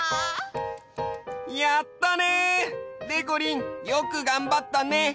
やったね！でこりんよくがんばったね。